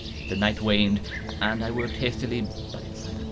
The night waned, and I worked hastily, but in silence.